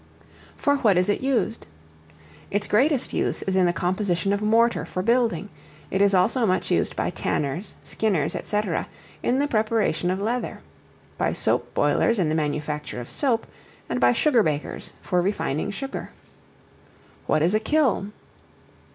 For what is it used? Its greatest use is in the composition of mortar for building; it is also much used by tanners, skinners, &c., in the preparation of leather; by soap boilers in the manufacture of soap; and by sugar bakers for refining sugar. What is a Kiln?